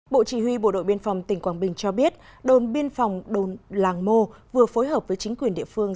bộ chỉ huy bộ đội biên phòng tỉnh quảng bình cho biết đồn biên phòng đồn làng mô vừa phối hợp với chính quyền địa phương